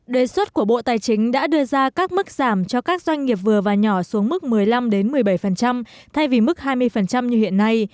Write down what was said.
đề xuất của bộ tài chính đã đưa ra các mức giảm cho các doanh nghiệp vừa và nhỏ xuống mức một mươi năm một mươi bảy thay vì mức hai mươi như hiện nay